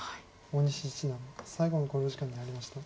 大西七段最後の考慮時間に入りました。